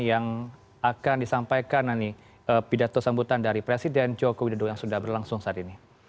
yang akan disampaikan nanti pidato sambutan dari presiden joko widodo yang sudah berlangsung saat ini